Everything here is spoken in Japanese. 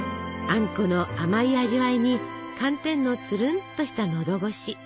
あんこの甘い味わいに寒天のつるんとした喉ごし。